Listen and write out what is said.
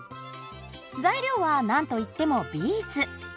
材料はなんといってもビーツ。